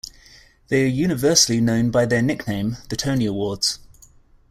They are universally known by their nickname, the Tony Awards.